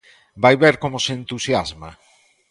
Vai ver como se entusiasma...